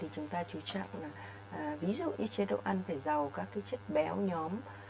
chúng ta chú trọng là ví dụ như chế độ ăn phải giàu các chất béo nhóm